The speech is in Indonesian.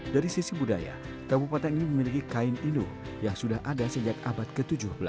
dari sisi budaya kabupaten ini memiliki kain inuh yang sudah ada sejak abad ke tujuh belas